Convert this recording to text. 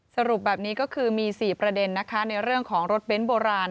สรุปแบบนี้ก็คือมี๔ประเด็นนะคะในเรื่องของรถเบ้นโบราณ